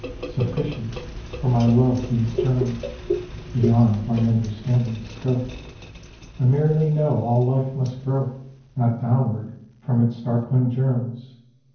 Sufficient for my love these terms, Beyond my understanding's scope: I merely know all life must grope Not downward from its darkling germs.